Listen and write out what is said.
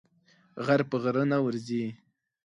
غر په غره نه ورځي.